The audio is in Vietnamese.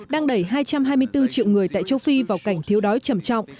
đang đẩy hai trăm hai mươi bốn triệu người tại châu phi vào cảnh thiếu đói trầm trọng